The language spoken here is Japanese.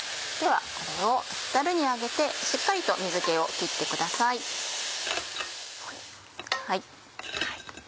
ではこれをザルに上げてしっかりと水気を切ってください。